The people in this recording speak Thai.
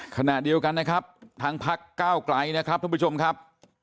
ขณะเดียวกันนะครับทางพักก้าวไกลนะครับท่านผู้ชมครับ